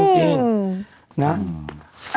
จริงแด้คริย